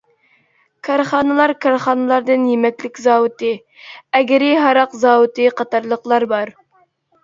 كارخانىلار كارخانىلاردىن يېمەكلىك زاۋۇتى، ئەگرى ھاراق زاۋۇتى قاتارلىقلار بار.